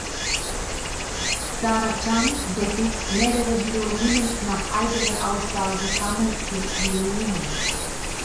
Sarah Chang besitzt mehrere Violinen, nach eigener Aussage sammelt sie Violinen.